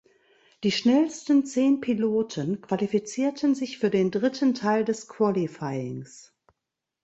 Die schnellsten zehn Piloten qualifizierten sich für den dritten Teil des Qualifyings.